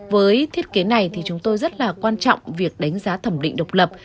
với thiết kế này thì chúng tôi rất là quan trọng việc đánh giá thẩm định độc lập